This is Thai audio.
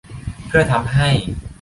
เพื่อทำให้